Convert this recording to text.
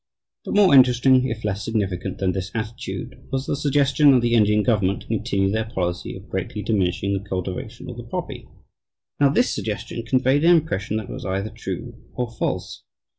But more interesting, if less significant than this attitude, was the suggestion that the Indian government "continue their policy of greatly diminishing the cultivation of the poppy." Now this suggestion conveyed an impression that was either true or false.